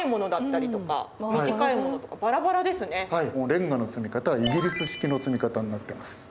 レンガの積み方はイギリス式の積み方になってます。